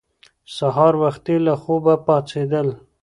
سهار وختي له خوبه پاڅېدل